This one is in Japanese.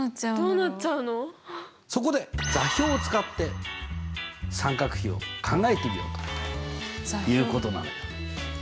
そこで座標を使って三角比を考えてみようということなのよ。